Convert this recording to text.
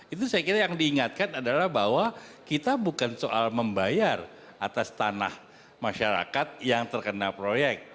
itu saya kira yang diingatkan adalah bahwa kita bukan soal membayar atas tanah masyarakat yang terkena proyek